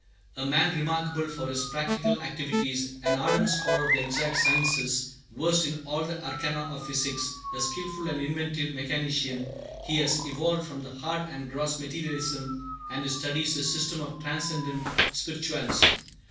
A man remarkable for his practical activities, an ardent scholar of the exact sciences, versed in all the arcana of physics, a skilful and inventive mechanician, he has evolved from the hard and gross materialism of his studies a system of transcendent spiritualism.